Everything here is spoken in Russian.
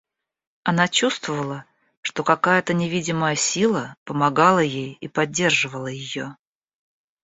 Она чувствовала, что какая-то невидимая сила помогала ей и поддерживала ее.